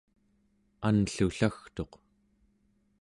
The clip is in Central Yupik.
anllullagtuq